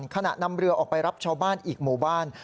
ขณะนำเรือออกไปรับชาวบ้านอีกหมู่บ้าน